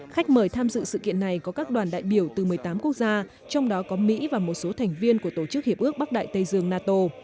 khách mời tham dự sự kiện này có các đoàn đại biểu từ một mươi tám quốc gia trong đó có mỹ và một số thành viên của tổ chức hiệp ước bắc đại tây dương nato